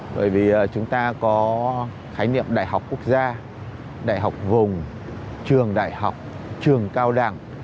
bởi vì chúng ta có khái niệm đại học quốc gia đại học vùng trường đại học trường cao đẳng